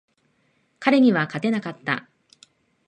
彼には勝てなかった。